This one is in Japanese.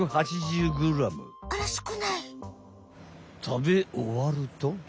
たべおわると。